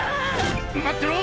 待ってろ！